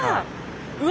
うわ！